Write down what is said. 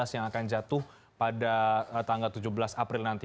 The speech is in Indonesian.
yang akan jatuh pada tanggal tujuh belas april nanti